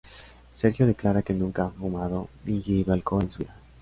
Sergio declara que nunca ha fumado ni ingerido alcohol en su vida.